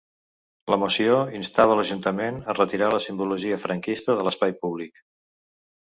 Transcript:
La moció instava l’ajuntament a retirar la simbologia franquista de l’espai públic.